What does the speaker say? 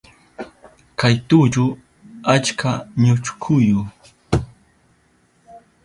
Kay tullu achka ñuchkuyu.